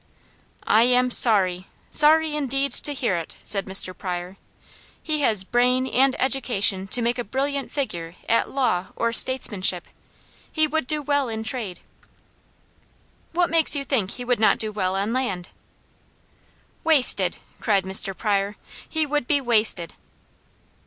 "I am sorry sorry indeed to hear it," said Mr. Pryor. "He has brain and education to make a brilliant figure at law or statesmanship; he would do well in trade." "What makes you think he would not do well on land?" "Wasted!" cried Mr. Pryor. "He would be wasted!"